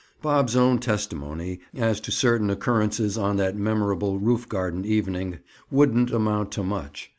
Bob's own testimony, as to certain occurrences on that memorable roof garden evening, wouldn't amount to much.